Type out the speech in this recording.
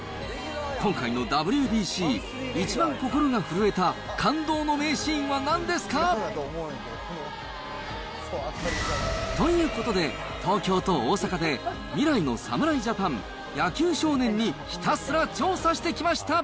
今回のＷＢＣ、一番心が震えた感動の名シーンはなんですか？ということで、東京と大阪で、未来の侍ジャパン、野球少年にひたすら調査してきました。